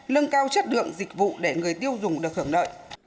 lưng cao chất lượng dịch vụ để người tiêu dùng được hưởng nợ